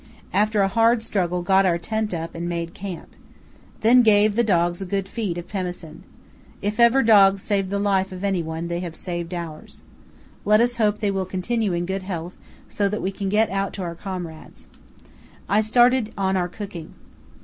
After a hard struggle got our tent up and made camp. Then gave the dogs a good feed of pemmican. If ever dogs saved the lives of any one they have saved ours. Let us hope they will continue in good health, so that we can get out to our comrades. I started on our cooking.